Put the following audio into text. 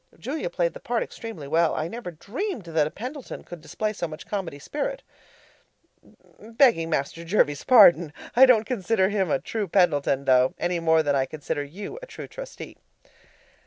Julia played the part extremely well. I never dreamed that a Pendleton could display so much comedy spirit begging Master Jervie's pardon; I don't consider him a true Pendleton though, any more than I consider you a true Trustee.